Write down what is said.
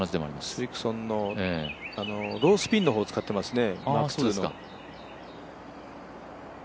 スリクソンのロースピンの方を使っていますね。